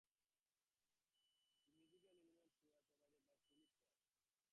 The musical elements were provided by Philip Pope.